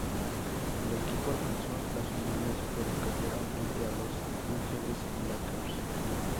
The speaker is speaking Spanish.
El equipo alcanzó las finales pero cayeron frente a Los Angeles Lakers.